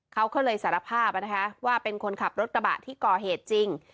เขาก็เลยสารภาพนะคะว่าเป็นคนขับรถกระบะที่ก่อเหตุจริง